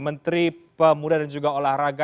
menteri pemuda dan juga olahraga